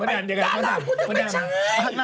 พ่อแดนพ่อแดนกูพูดได้ไม่ใช่